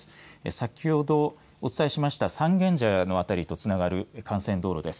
先ほどお伝えしました三軒茶屋のあたりとつながる幹線道路です。